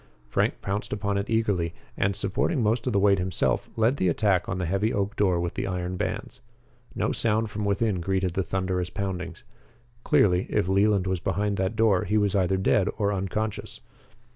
Frank pounced upon it eagerly, and, supporting most of the weight himself, led the attack on the heavy oak door with the iron bands. No sound from within greeted the thunderous poundings. Clearly, if Leland was behind that door, he was either dead or unconscious.